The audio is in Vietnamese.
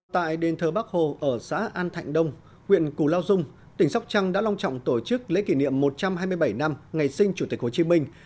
tại đền thờ bắc hồ ở xã an thạnh đông huyện củ lao dung tỉnh sóc trăng đã long trọng tổ chức lễ kỷ niệm một trăm hai mươi bảy năm ngày sinh chủ tịch hồ chí minh